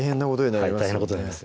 はい大変なことになります